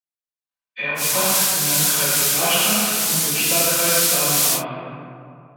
Er umfasst den Landkreis Rastatt und den Stadtkreis Baden-Baden.